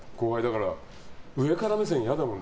上から目線、嫌だもん。